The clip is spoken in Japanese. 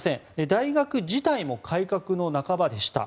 大学自体も改革の半ばでした。